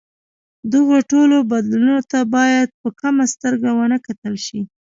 دغو ټولو بدلونونو ته باید په کمه سترګه ونه کتل شي.